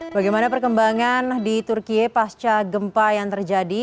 bagaimana perkembangan di turkiye pasca gempa yang terjadi